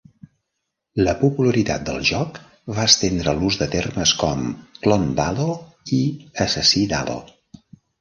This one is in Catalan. La popularitat del joc va estendre l'ús de termes com "clon d'Halo" i "assassí d'Halo".